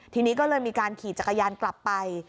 ทีนี้ก็เลยมีการขี่จักรยานกลับไป